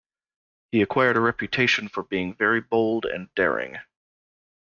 He acquired a reputation for being very bold and daring.